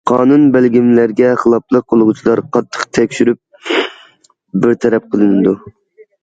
قانۇن- بەلگىلىمىلەرگە خىلاپلىق قىلغۇچىلار قاتتىق تەكشۈرۈپ بىر تەرەپ قىلىنىدۇ.